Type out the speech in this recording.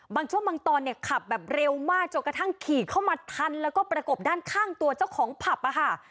บางช่วงบางตอนเนี่ยขับแบบเร็วมากจนกระทั่งขี่เข้ามาทันแล้วก็ประกบด้านข้างตัวเจ้าของผับอะค่ะ